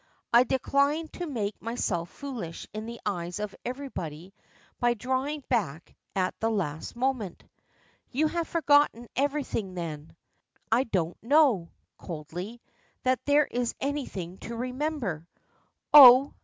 I decline to make myself foolish in the eyes of everybody by drawing back at the last moment." "You have forgotten everything then." "I don't know," coldly, "that there is anything to remember." "Oh!"